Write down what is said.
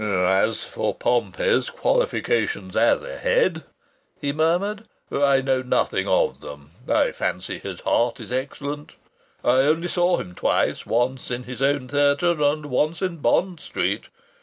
"As for Pompey's qualifications as a head," he murmured, "I know nothing of them. I fancy his heart is excellent. I only saw him twice, once in his own theatre, and once in Bond Street.